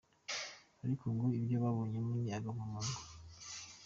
Ariko ngo ibyo yabonyemo ni agahomamunwa.